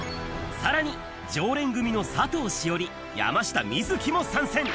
さらに、常連組の佐藤栞里、山下美月も参戦。